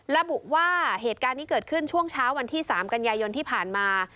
ระบุว่าเหตุการณ์นี้เกิดขึ้นช่วงเช้าวันที่๓กันยายนที่ผ่านมา